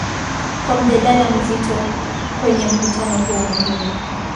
kwa mjadala mzito kwenye mkutano huo muhimu